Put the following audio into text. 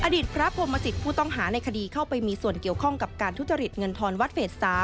พระพรหมสิตผู้ต้องหาในคดีเข้าไปมีส่วนเกี่ยวข้องกับการทุจริตเงินทอนวัดเฟส๓